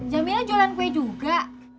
jamila jualan kue juga